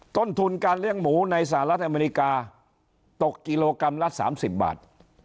ต้นทุนการเลี้ยงหมูในสหรัฐอเมริกาตกกิโลกรัมละ๓๐บาท